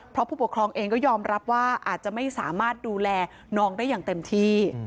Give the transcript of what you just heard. เพราะผู้ปกครองเองก็ยอมรับว่าอาจจะไม่สามารถดูแลน้องได้อย่างเต็มที่